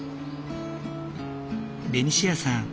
ベニシアさん